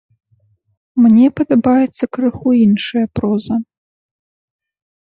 Мне падабаецца крыху іншая проза.